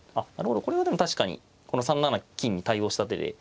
これはでも確かにこの３七金に対応した手で。